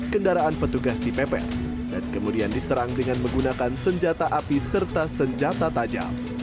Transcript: kendaraan petugas dipepet dan kemudian diserang dengan menggunakan senjata api serta senjata tajam